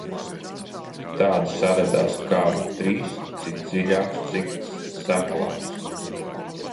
Tādi saradās kādi trīs, cits dziļāks, cits seklāks.